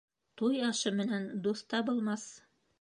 Туй ашы менән дуҫ табылмаҫ.